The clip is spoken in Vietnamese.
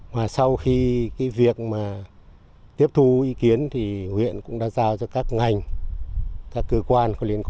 và sau khi việc tiếp thu ý kiến thì huyện cũng đã giải phóng mặt bằng công tác đền bù